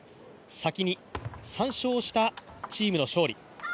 先に３勝したチームの勝利。